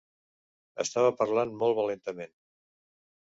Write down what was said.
Estava parlant molt valentament.